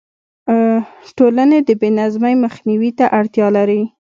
ټولنې د بې نظمۍ مخنیوي ته اړتیا لري.